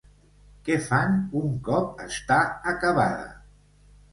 Què fan un cop està acabada?